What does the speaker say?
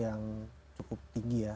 yang cukup tinggi ya